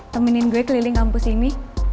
temenin gue keliling kampus ini